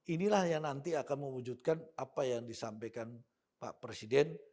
inilah yang nanti akan mewujudkan apa yang disampaikan pak presiden